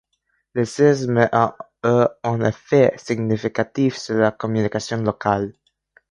Le séisme a eu un effet significatif sur la communication locale.